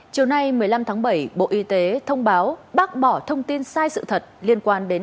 chiều nay một mươi năm tháng bảy bộ y tế thông báo bác bỏ thông tin sai sự thật liên quan đến